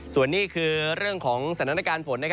ส่วนนี้คือเรื่องของสถานการณ์ฝน